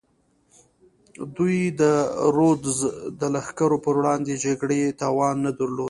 دوی د رودز د لښکرو پر وړاندې جګړې توان نه درلود.